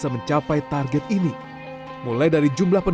menjadi empat enam persen di tahun dua ribu dua puluh tiga